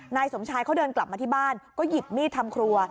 นายสมชายเขาเดินกลับมาที่บ้านก็หยิบมีดทำครัว